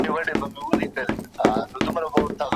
له خپل تربوره مو د سلو کالو غچ اخیستی